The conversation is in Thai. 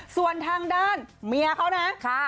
ส่วนทางด้านเมียเขานะ